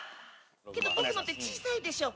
「けど僕の手小さいでしょ？